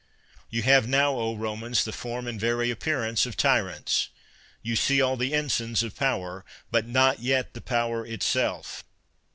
You have now, O Romans, the form and very appearance of ty rants; you see all the ensigns of power, but not yet the i)ower itself.